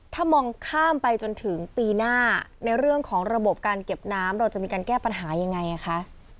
ถ้ามองข้ามไปจนถึงปีหน้าในเรื่องของระบบการเก็บน้ำเราจะมีการแก้ปัญหายังไงคะ